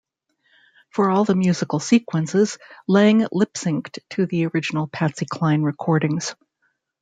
For all the musical sequences, Lange lip-synced to the original Patsy Cline recordings.